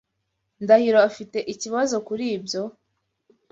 Ndahiro afite ikibazo kuri ibyo?